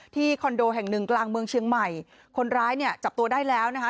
คอนโดแห่งหนึ่งกลางเมืองเชียงใหม่คนร้ายเนี่ยจับตัวได้แล้วนะคะ